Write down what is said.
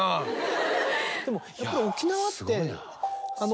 でもやっぱり沖縄って。